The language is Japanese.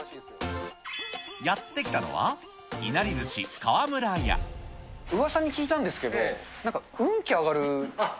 やって来たのは、うわさに聞いたんですけど、なんか運気上がる。